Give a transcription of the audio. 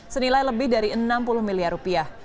senilai lebih dari enam puluh miliar rupiah